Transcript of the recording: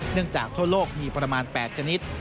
เนื่องจากทั่วโลกมีประมาณ๘ชนิด